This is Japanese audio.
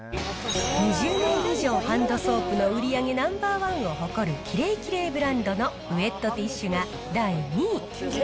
２０年以上ハンドソープの売り上げナンバー１を誇るキレイキレイブランドのウエットティッシュが第２位。